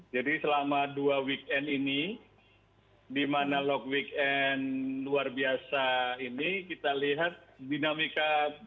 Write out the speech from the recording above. jadi selama dua weekend ini di mana log weekend luar biasa ini kita lihat dinamika mobilitas produk